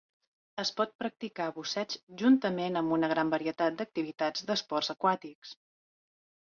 Es pot practicar busseig juntament amb una gran varietat d'activitats d'esports aquàtics.